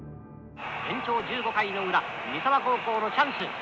延長１５回の裏三沢高校のチャンス。